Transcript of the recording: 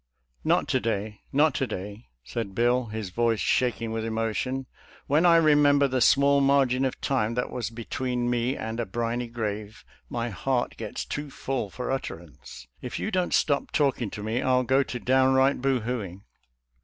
"" Not. to day not to day," said Bill, his voice shaking withi emotion. " When I remember the small margin of time that was between me and a briny. grave, my heart gets too full for utter ance. . If you don't stop talking to me I'll go to downright! boohooing."